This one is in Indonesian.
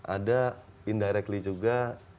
ada indirectly juga